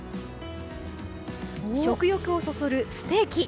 食欲をそそるステーキ。